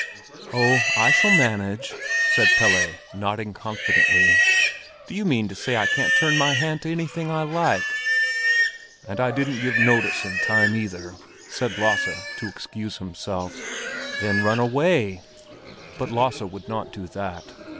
"Oh, I shall manage!" said Pelle, nodding confidently. "Do you mean to say I can't turn my hand to anything I like?" "And I didn't give notice in time either," said Lasse to excuse himself. "Then run away!" But Lasse would not do that.